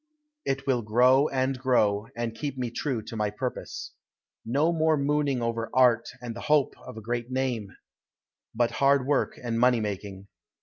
It will grow and grow, and keep me true to my purpose. No more mooning over art and the hope of a great name; but hard work and money making.